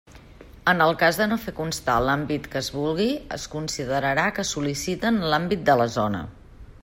En el cas de no fer constar l'àmbit que es vulgui, es considerarà que sol·liciten l'àmbit de la zona.